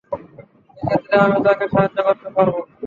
এক্ষেত্রে আমি তাকে সাহায্য করতে পারবো।